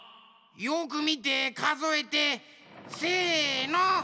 よくみてかぞえてせの！